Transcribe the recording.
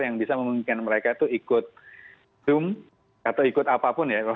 yang bisa memungkinkan mereka itu ikut zoom atau ikut apapun ya